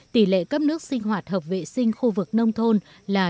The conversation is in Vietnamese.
tỷ lệ cấp nước sinh hoạt hợp vệ sinh khu vực nông thôn là chín mươi năm